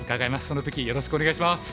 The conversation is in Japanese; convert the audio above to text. その時よろしくお願いします。